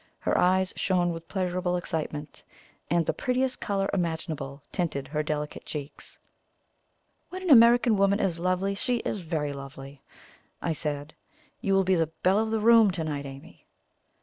Her eyes shone with pleasurable excitement, and the prettiest colour imaginable tinted her delicate cheeks. "When an American woman is lovely, she is very lovely," I said. "You will be the belle of the room to night, Amy!"